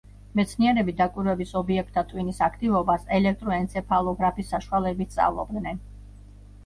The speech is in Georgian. მეცნიერები დაკვირვების ობიექტთა ტვინის აქტივობას ელექტროენცეფალოგრაფის საშუალებით სწავლობდნენ.